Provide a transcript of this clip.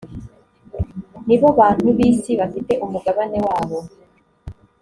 ni bo bantu b’isi bafite umugabane wabo